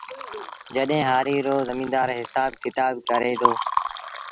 جڏهيݩ هآريٚ رو زميݩدآر هسآب ڪتآب ڪري دو